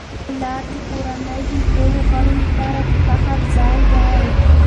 پلار د کورنی د ټولو غړو لپاره د فخر ځای دی.